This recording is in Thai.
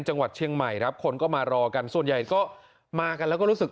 จังหวัดเชียงใหม่ครับคนก็มารอกันส่วนใหญ่ก็มากันแล้วก็รู้สึก